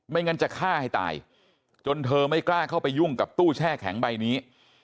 งั้นจะฆ่าให้ตายจนเธอไม่กล้าเข้าไปยุ่งกับตู้แช่แข็งใบนี้